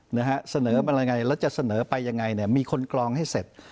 นะฮะเสนอมายังไงแล้วจะเสนอไปยังไงเนี่ยมีคนกรองให้เสร็จ